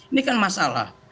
ini kan masalah